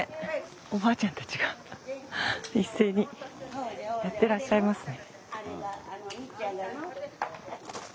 おばあちゃんたちが一斉にやってらっしゃいますね。